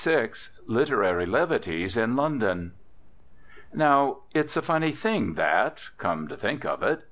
VI LITERARY LEVITIES IN LONDOW Now it's a funny thing, that, come to think of it.